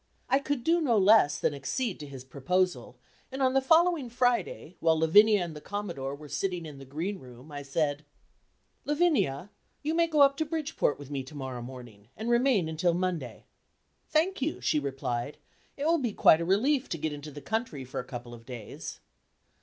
I could do no less than accede to his proposal, and on the following Friday, while Lavinia and the Commodore were sitting in the green room, I said: "Lavinia, you may go up to Bridgeport with me to morrow morning, and remain until Monday." "Thank you," she replied; "it will be quite a relief to get into the country for a couple of days."